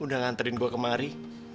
udah nganterin gua kemari